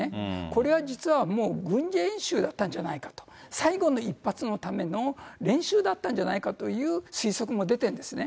これは実はもう、軍事演習だったんじゃないかと、最後の一発のための練習だったんじゃないかという推測も出てるんですね。